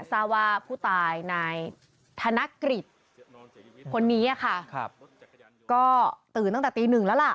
สาวาผู้ตายนายธนกฤทธิ์คนนี้อะค่ะครับก็ตื่นตั้งแต่ตีหนึ่งแล้วล่ะ